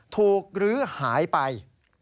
ถูกหรือหายไป